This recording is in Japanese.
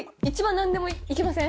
何でも行けません？